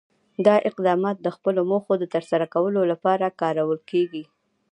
دا اقدامات د خپلو موخو د ترسره کولو لپاره کارول کېږي.